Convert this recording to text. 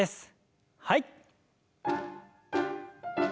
はい。